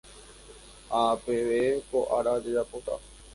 Ha apeve ko ára jajapóta